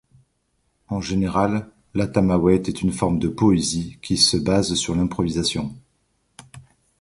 En général la Tamawayt est une forme de poésie qui se base sur l’improvisation.